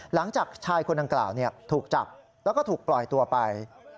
หลังจากชายคนดังกล่าวถูกจับแล้วก็ถูกปล่อยตัวไป